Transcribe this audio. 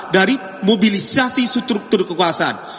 dari mobilisasi struktur kekuasaan